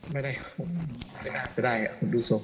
ไม่ได้ผมไม่ได้อาจจะได้ผมดูศพ